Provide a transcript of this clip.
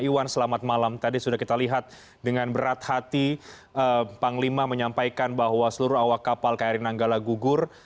iwan selamat malam tadi sudah kita lihat dengan berat hati panglima menyampaikan bahwa seluruh awak kapal kri nanggala gugur